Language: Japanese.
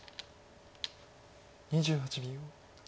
２８秒。